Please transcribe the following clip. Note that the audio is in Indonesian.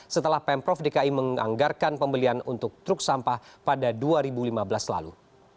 setelah pemprov dki menganggarkan pembelian untuk truk sampah pada dua ribu lima belas lalu